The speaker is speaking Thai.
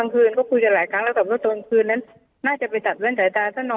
ก็เลยชนเลย